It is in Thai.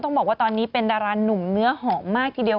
ต้องบอกว่าตอนนี้เป็นดารานุ่มเนื้อหอมมากทีเดียว